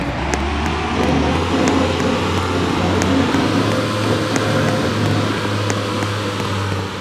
তিনি "প্রবাসী" ও "Modern Review" পত্রিকার ম্যানেজিং ডিরেক্টর ছিলেন।